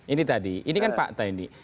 ini tadi ini kan pak taindi